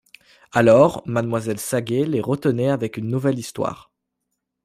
Alors, mademoiselle Saget les retenait avec une nouvelle histoire.